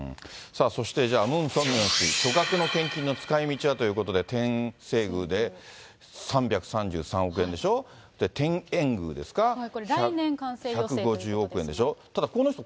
そしてじゃあ、ムン・ソンミョン氏、巨額の献金の使いみちはということで、天正宮で３３３億円でしょ、これ、来年完成予定というここれ、１５０億円でしょ。